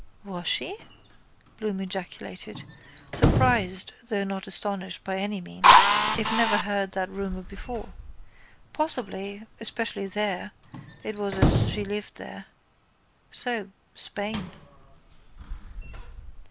—Was she? Bloom ejaculated, surprised though not astonished by any means, I never heard that rumour before. Possible, especially there, it was as she lived there. So, Spain.